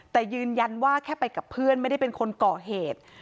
แต่ยืนยันว่าแค่ไปกับเพื่อนไม่ได้เป็นคนก่อเหตุ